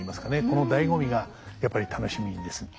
この醍醐味がやっぱり楽しみですね。